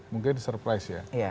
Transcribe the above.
mungkin surprise ya